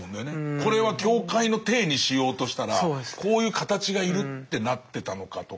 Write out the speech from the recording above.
これは教会の体にしようとしたらこういう形がいるってなってたのかとか。